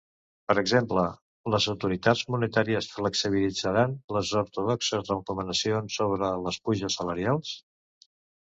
Per exemple, les autoritats monetàries flexibilitzaran les ortodoxes recomanacions sobre les puges salarials?